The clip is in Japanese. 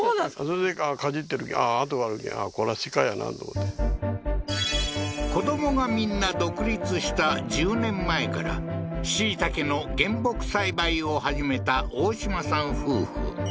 それでかじってる跡があるけんこれは鹿やなと思って子どもがみんな独立した１０年前から椎茸の原木栽培を始めた大島さん夫婦